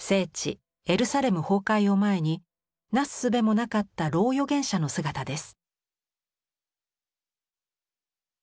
エルサレム崩壊を前になすすべもなかった老預言者の姿です。